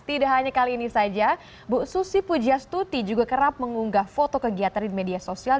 tidak hanya kali ini saja bu susi pujastuti juga kerap mengunggah foto kegiatan di media sosial